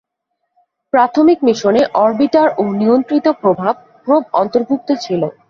প্রাথমিক মিশনে অরবিটার ও নিয়ন্ত্রিত প্রভাব প্রোব অন্তর্ভুক্ত ছিল।